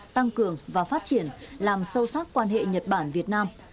tăng cường và phát triển làm sâu sắc quan hệ nhật bản việt nam